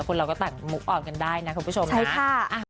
คนเราก็แต่งมุกอ่อนกันได้นะคุณผู้ชมนะ